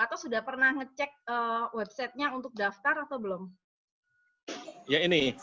atau sudah pernah ngecek websitenya untuk daftar atau belum